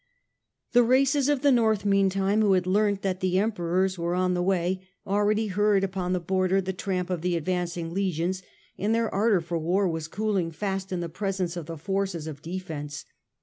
The races of the North meantime, who had learnt that the Emperors were on the way, already heard The border upon the border the tramp of the advancing for' legions, and their ardour for war was cooling peace ; fast in the presence of the forces of defence.